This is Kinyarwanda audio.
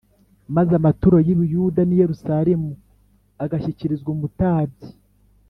Maze amaturo y’ i Buyuda n’ i Yerusalemu agashyikirizwa umutabyi